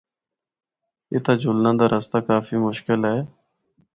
اِتھا جلنا دا رستہ کافی مشکل اے۔